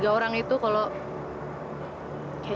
jalan dulu ya